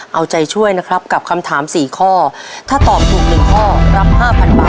เอาใจช่วยนะครับกับคำถามสี่ข้อถ้าตอบถูกหนึ่งข้อรับห้าพันบาท